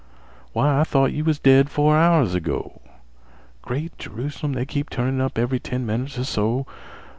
Why, I thought you was dead four hours ago! Great Jerusalem, they keep turnin' up every ten minutes or so!